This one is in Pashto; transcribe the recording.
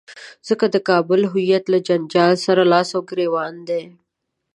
ځکه د کابل هویت له جنجال سره لاس او ګرېوان دی.